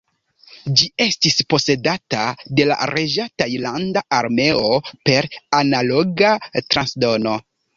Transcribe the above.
Ĝi estis posedata de la Reĝa Tajlanda Armeo per Analoga transdono.